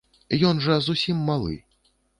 Ён жа зусім малы.